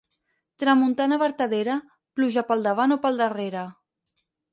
Tramuntana vertadera, pluja pel davant o pel darrere.